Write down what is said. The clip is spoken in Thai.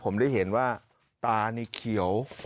ผมได้เห็นว่าตานี่เขียว